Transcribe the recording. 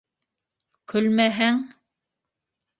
Көлмәһәң...